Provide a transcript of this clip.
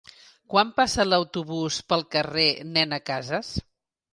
Quan passa l'autobús pel carrer Nena Casas?